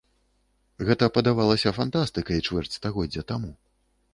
Гэта падавалася фантастыкай чвэрць стагоддзя таму.